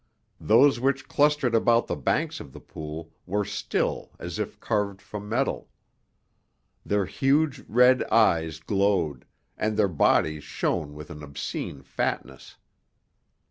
Those which clustered about the banks of the pool were still as if carved from metal. Their huge, red eyes glowed, and their bodies shone with an obscene fatness.